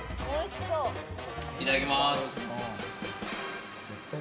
いただきます。